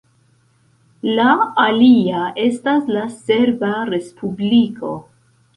La alia estas la Serba Respubliko.